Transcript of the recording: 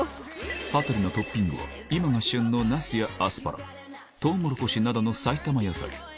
羽鳥のトッピングは今が旬のナスやアスパラとうもろこしなどの埼玉野菜